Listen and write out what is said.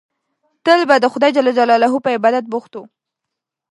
تل به د خدای جل جلاله په عبادت بوخت وو.